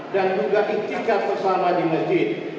dan juga ikhtikat bersama di masjid